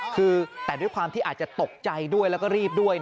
คือแต่ด้วยความที่อาจจะตกใจด้วยแล้วก็รีบด้วย